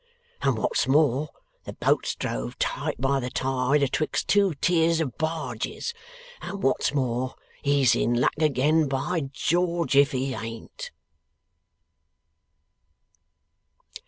And what's more, the boat's drove tight by the tide 'atwixt two tiers of barges. And what's more, he's in luck again, by George if he ain't!